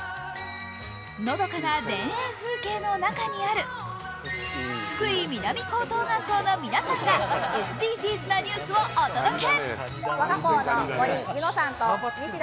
のどかな田園風景の中にある福井南高校学校の皆さんがＳＤＧｓなニュースをお届け。